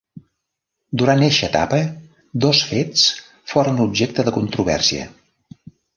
Durant eixa etapa, dos fets foren objecte de controvèrsia.